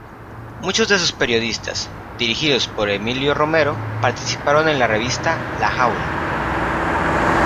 Muchos de sus periodistas, dirigidos por Emilio Romero, participaron en la revista "La Jaula".